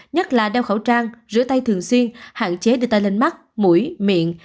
nhất là đeo khẩu trang rửa tay thường xuyên hạn chế đưa tay lên mắt mũi miệng